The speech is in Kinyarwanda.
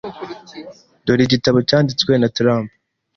Dore igitabo cyanditswe na trump.